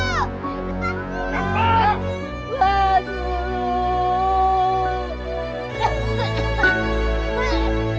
mas jangan mas mas